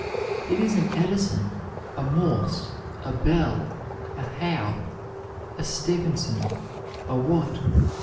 It is an Edison, a Morse, a Bell, a Howe, a Stephenson, a Watt.